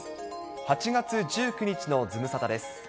８月１９日のズムサタです。